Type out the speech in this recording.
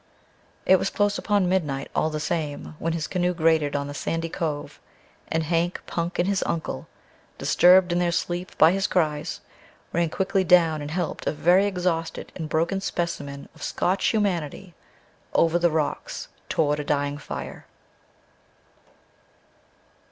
It was close upon midnight all the same when his canoe grated on the sandy cove, and Hank, Punk and his uncle, disturbed in their sleep by his cries, ran quickly down and helped a very exhausted and broken specimen of Scotch humanity over the rocks toward a dying fire.